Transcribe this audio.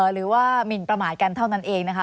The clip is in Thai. หรือว่าหมินประมาทกันเท่านั้นเองนะคะ